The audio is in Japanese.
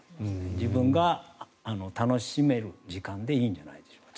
自分が楽しめる時間でいいんじゃないでしょうか。